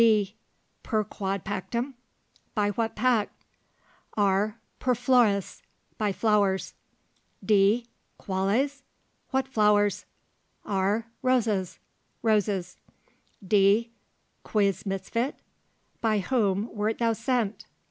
D. Per quod pactum? By what pact? R. Per flores. By flowers. D. Quales? What flowers? R. Rosas. Roses. D. Quis misfit? By whom wert thou sent?